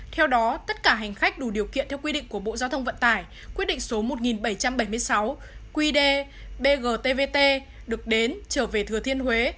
theo đó tất cả hành khách đủ điều kiện theo quy định của bộ giao thông vận tải quyết định số một nghìn bảy trăm bảy mươi sáu qd bgtvt được đến trở về thừa thiên huế